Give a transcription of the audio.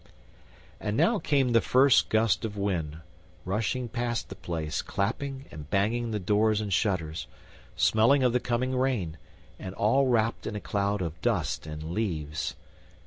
And now came the first gust of wind, rushing past the place, clapping and banging the doors and shutters, smelling of the coming rain, and all wrapped in a cloud of dust and leaves.